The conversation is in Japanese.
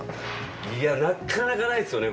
いやなかなかないですよね